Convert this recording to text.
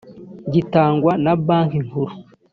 gitangwa na banki nkuru